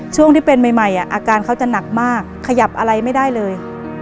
ช่วงที่เป็นใหม่อาการเขาจะหนักมากขยับอะไรไม่ได้เลย